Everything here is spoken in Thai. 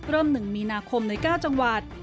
เริ่ม๑มีนาคมใน๙จังหวัด